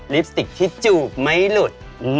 ลิปสติกที่จูบไม่หลุด